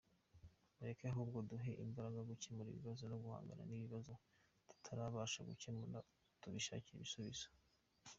Mureke ahubwo duhe imbaraga gukemura ibibazo no guhangana n’ibibazo tutarabasha gukemura tubishakire ibisubizo.